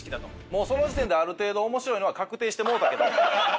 もうその時点である程度面白いのは確定してもうたけど。